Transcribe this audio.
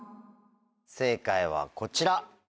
正解はこちら。